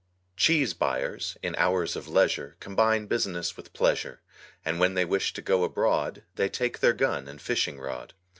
Cheese buyers in hours of leisure Combine business with pleasure, And when they wish to go abroad They take their gun and fishing rod.